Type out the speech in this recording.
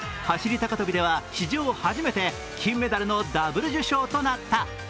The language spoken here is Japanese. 高跳びでは史上初めて金メダルのダブル受賞となった。